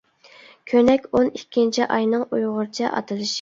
كۆنەك ئون ئىككىنچى ئاينىڭ ئۇيغۇرچە ئاتىلىشى.